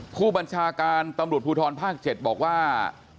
ผู้บัญชาการตำรวจภูทรภาค๗บอกว่า